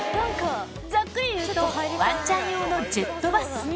ざっくり言うとワンちゃん用のジェットバス。